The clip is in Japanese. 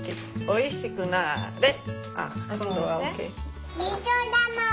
おいしくなれ。